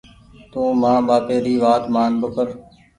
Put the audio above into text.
تونٚ مآن ٻآپي ري وآت مآن ٻوکر۔